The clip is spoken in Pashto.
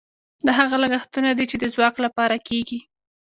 دا هغه لګښتونه دي چې د ځواک لپاره کیږي.